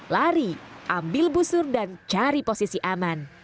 lari ambil busur dan cari posisi aman